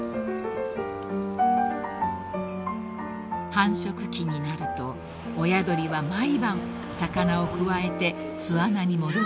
［繁殖期になると親鳥は毎晩魚をくわえて巣穴に戻ってきます］